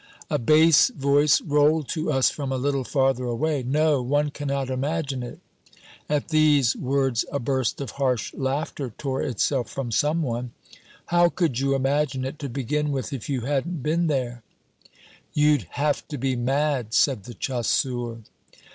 A bass voice rolled to us from a little farther away, "No, one cannot imagine it." At these words a burst of harsh laughter tore itself from some one. "How could you imagine it, to begin with, if you hadn't been there?" "You'd have to be mad," said the chasseur.